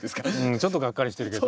ちょっとガッカリしてるけど。